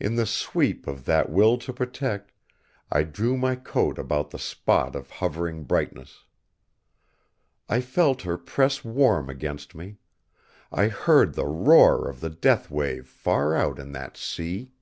In the sweep of that will to protect, I drew my coat about the spot of hovering brightness. I felt her press warm against me. I heard the roar of the death wave far out in that sea.